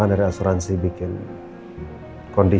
kamu bisa hidup akur dan rukun sama andi